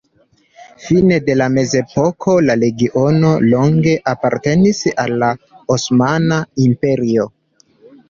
Fine de la mezepoko la regiono longe apartenis al la Osmana Imperio.